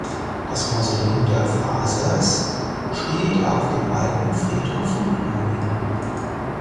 Das Mausoleum der Frasers steht auf dem Alten Friedhof von Cluny.